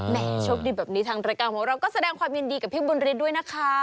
โชคดีแบบนี้ทางรายการของเราก็แสดงความยินดีกับพี่บุญฤทธิ์ด้วยนะคะ